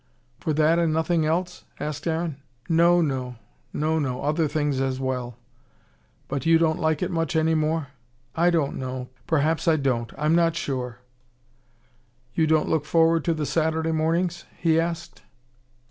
"For that and nothing else?" asked Aaron. "No, no! No, no! Other things as well." "But you don't like it much any more?" "I don't know. Perhaps I don't. I'm not sure." "You don't look forward to the Saturday mornings?" he asked.